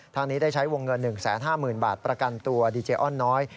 ทางนี้ได้ใช้วงเงิน๑๕๐๐๐บาทประกันตัวดีเจอ้อนน้อย